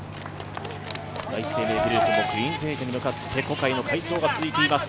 第一生命グループもクイーン８に向かって快走が続いています